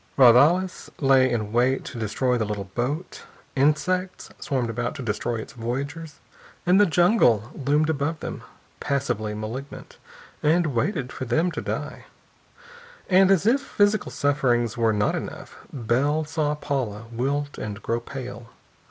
Raudales lay in wait to destroy the little boat. Insects swarmed about to destroy its voyagers. And the jungle loomed above them, passively malignant, and waited for them to die. And as if physical sufferings were not enough, Bell saw Paula wilt and grow pale.